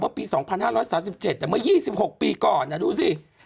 ปี๒๕๓๗แต่เมื่อ๒๖ปีก่อนดูสิ